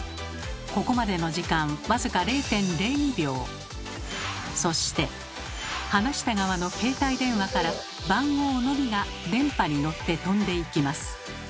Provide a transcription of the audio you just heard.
ここまでの時間僅かそして話した側の携帯電話から番号のみが電波にのって飛んでいきます。